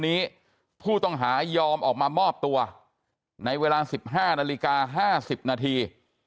นี้ผู้ต้องหายอมออกมามอบตัวในเวลา๑๕นาฬิกา๕๐นาที